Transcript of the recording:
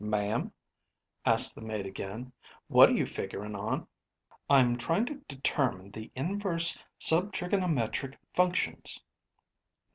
"Ma'am?" asked the maid again. "What are you figuring on?" "I'm trying to determine the inverse sub trigonometric functions.